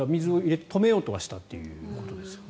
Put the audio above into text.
止めようとはしたということですね。